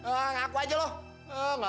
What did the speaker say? mengaku saja ya